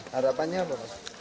harapannya apa pak